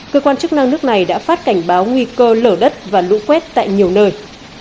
cơ quan chức năng nước này đã phát cảnh báo nguy cơ lở đất và lũ quét tại nhiều nơi